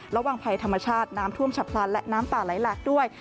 ระวังภัยธรรมชาติน้ำท่วมฉับพลันและน้ำป่าไหลหลากด้วย